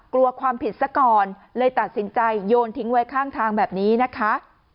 กลัวความผิดซะก่อนเลยตัดสินใจโยนทิ้งไว้ข้างทางแบบนี้นะคะ